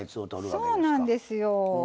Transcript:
そうなんですよ。